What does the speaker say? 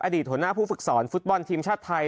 หัวหน้าผู้ฝึกสอนฟุตบอลทีมชาติไทย